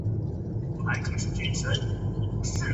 道雪重整休松的友军后往西南转进筑后山隈城撤退。